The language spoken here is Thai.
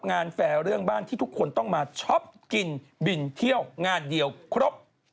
แฟร์เรื่องบ้านที่ทุกคนต้องมาช็อปกินบินเที่ยวงานเดียวครบ